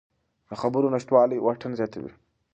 د خبرو نشتوالی واټن زیاتوي